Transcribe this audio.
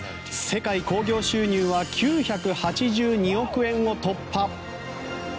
世界興行収入は９８２億円を突破。